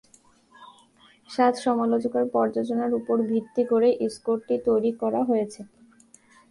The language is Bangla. সাত সমালোচকের পর্যালোচনার উপর ভিত্তি করে স্কোরটি তৈরি করা হয়েছে।